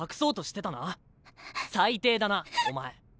最低だなお前。